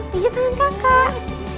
pijat tangan kakak